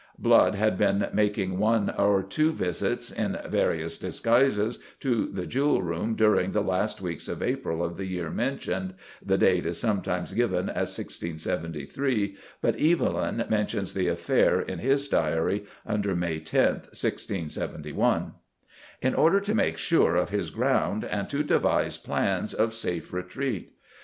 Blood had been making one or two visits, in various disguises, to the Jewel room during the last weeks of April of the year mentioned (the date is sometimes given as 1673, but Evelyn mentions the affair, in his Diary, under May 10, 1671), in order to make sure of his ground and to devise plans of safe retreat.